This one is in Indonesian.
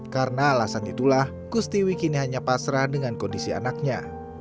karena alasan itulah kustiwi kini hanya pasrah dengan kondisi anaknya